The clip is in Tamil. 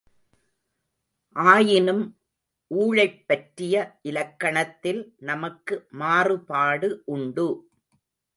ஆயினும் ஊழைப்பற்றிய இலக்கணத்தில் நமக்கு மாறுபாடு உண்டு!